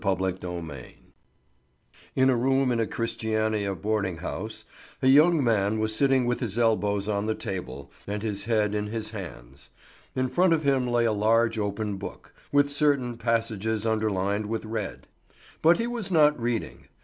PART II CHAPTER I IN a room in a Christiania boarding house a young man was sitting with his elbows on the table and his head in his hands. In front of him lay a large open book, with certain passages underlined with red; but he was not reading.